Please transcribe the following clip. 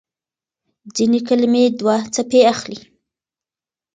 ځينې کلمې دوه څپې اخلي.